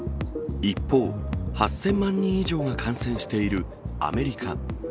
一方、８０００万人以上が感染しているアメリカ。